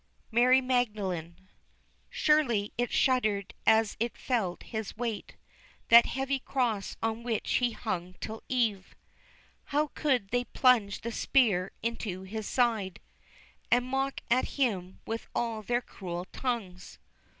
MARY MAGDALENE. Surely it shuddered as it felt His weight, That heavy cross on which He hung till eve! How could they plunge the spear into His side, And mock at Him with all their cruel tongues?